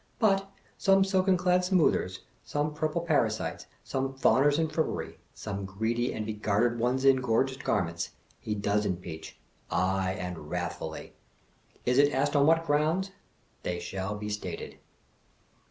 But, some silken clad smoothers, some purple parasites, some fawners in frippery, some greedy and begartered ones in. gorgeous garments, he does impeach — ay, and ■wrathfully! Is it asked on what grounds? They shall be stated.